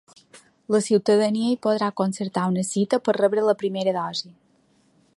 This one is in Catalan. La ciutadania hi podrà concertar una cita per rebre la primera dosi.